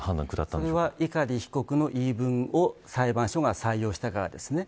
それは、碇被告の言い分を裁判所が採用したからです。